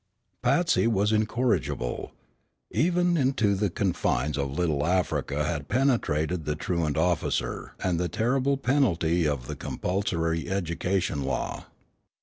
Patsy was incorrigible. Even into the confines of Little Africa had penetrated the truant officer and the terrible penalty of the compulsory education law.